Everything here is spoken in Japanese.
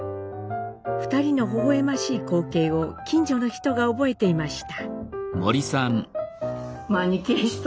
２人のほほ笑ましい光景を近所の人が覚えていました。